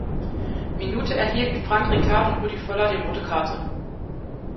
Minute erhielten Frank Rijkaard und Rudi Völler die rote Karte.